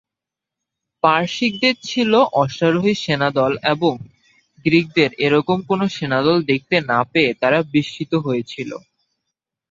পারসিকদের ছিল অশ্বারোহী সেনাদল, এবং গ্রিকদের এরকম কোন সেনাদল দেখতে না পেয়ে তারা বিস্মিত হয়েছিল।